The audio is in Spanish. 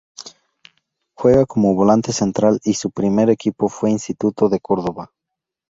Juega como volante central y su primer equipo fue Instituto de Córdoba.